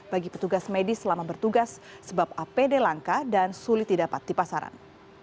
bagi petugas medis selama bertugas sebab apd langka dan sulit didapat di pasaran